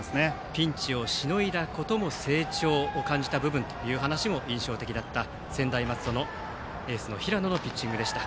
ピンチをしのいだことも成長を感じた部分という話も印象的だった専大松戸のエース平野のピッチングでした。